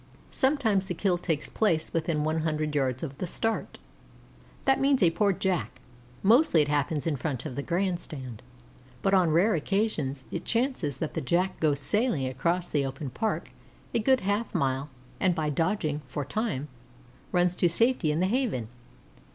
Sometimes the kill takes place within one hundred yards of the start that means a poor Jack; mostly it happens in front of the Grand Stand; but on rare occasions it chances that the Jack goes sailing across the open Park a good half mile and, by dodging for time, runs to safety in the Haven.